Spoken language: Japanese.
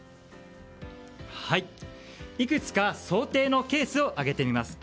いくつか想定のケースを挙げてみます。